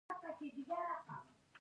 آیا هلته هر څه نه پیدا کیږي؟